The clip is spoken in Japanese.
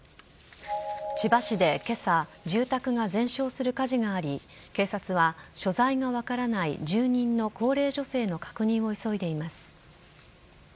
千葉市でけさ、住宅が全焼する火事があり、警察は所在が分からない住人の高齢女性の確認を急いでいます。